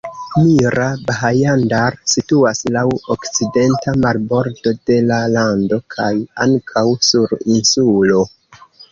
Mira-Bhajandar situas laŭ okcidenta marbordo de la lando kaj ankaŭ sur insulo.